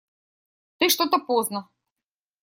Ты что-то поздно.